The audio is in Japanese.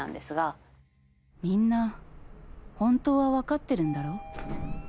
「みんな本当は分かってるんだろ？」